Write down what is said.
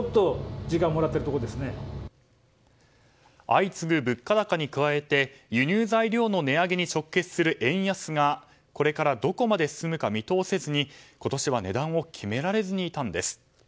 相次ぐ物価高に加えて輸入材料の値上げに直結する円安がこれからどこまで進むのか見通せずに今年は値段を決められずにいたんです。